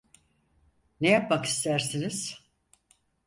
Ne yapmak istersiniz?